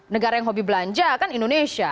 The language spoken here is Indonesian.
negara yang hobi belanja kan indonesia